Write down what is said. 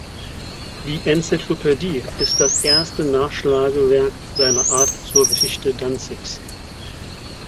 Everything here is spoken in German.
Die Enzyklopädie ist das erste Nachschlagewerk seiner Art zur Geschichte Danzigs.